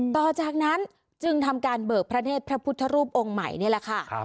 ต่อจากนั้นจึงทำการเบิกพระเนธพระพุทธรูปองค์ใหม่นี่แหละค่ะ